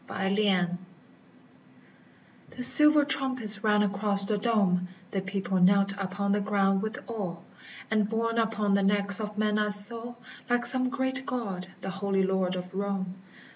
[6 9 ] EASTER DAY THE silver trumpets rang across the Dome : The people knelt upon the ground with awe : And borne upon the necks of men I saw, Like some great God, the Holy Lord of Rome.